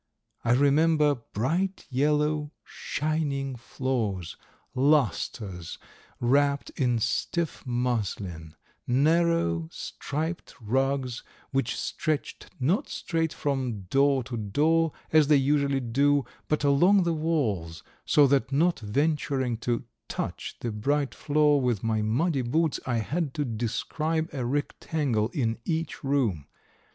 I remember bright yellow, shining floors, lustres wrapped in stiff muslin, narrow, striped rugs which stretched not straight from door to door, as they usually do, but along the walls, so that not venturing to touch the bright floor with my muddy boots I had to describe a rectangle in each room.